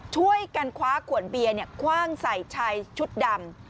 ช่วยกันคว้าขวดเบียร์คว่างใส่ชายชุดดำ